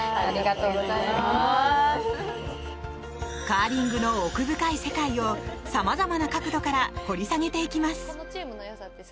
カーリングの奥深い世界を様々な角度から掘り下げていきます。